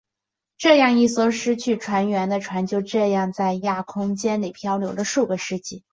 这样一艘失去船员的船就这样在亚空间里飘流数个世纪。